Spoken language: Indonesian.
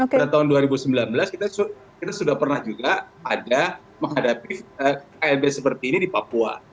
pada tahun dua ribu sembilan belas kita sudah pernah juga ada menghadapi klb seperti ini di papua